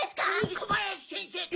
小林先生か？